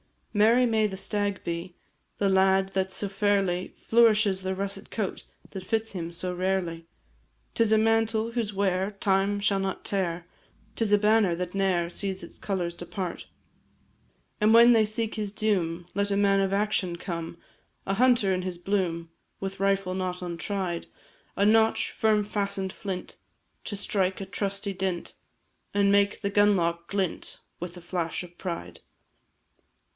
Merry may the stag be, The lad that so fairly Flourishes the russet coat That fits him so rarely. 'Tis a mantle whose wear Time shall not tear; 'Tis a banner that ne'er Sees its colours depart: And when they seek his doom, Let a man of action come, A hunter in his bloom, With rifle not untried: A notch'd, firm fasten'd flint, To strike a trusty dint, And make the gun lock glint With a flash of pride.